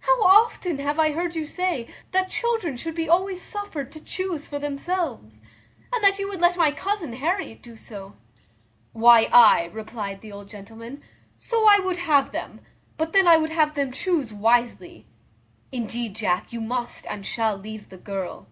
How often have I heard you say, that children should be always suffered to chuse for themselves, and that you would let my cousin Harriet do so?" "Why, ay," replied the old gentleman, "so I would have them; but then I would have them chuse wisely. Indeed, Jack, you must and shall leave the girl."